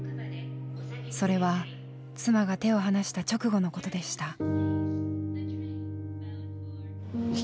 それは妻が手を離した直後のことでした。